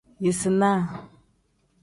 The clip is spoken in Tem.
Yisinaa.